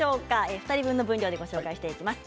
２人分の分量でご紹介していきます。